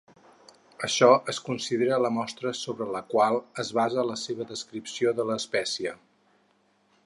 Això es considera la mostra sobre la qual es basa la seva descripció de l'espècie.